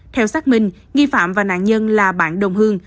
theo xác minh nghi phạm và nạn nhân là bạn đồng hương